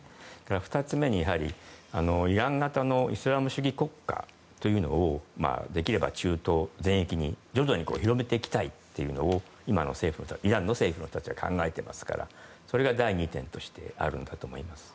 ２つ目に、イラン型のイスラム主義国家というのをできれば中東全域に徐々に広げていきたいというのを今のイランの政府の人たちは考えていますからそれが２点としてあるんだと思います。